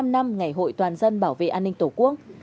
bảy mươi năm năm ngày hội toàn dân bảo vệ an ninh tổ quốc